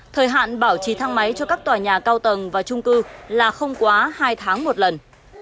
thời hạn bảo trì thang máy cho các tòa nhà cao tầng và trung cư là không quá hai tháng một lần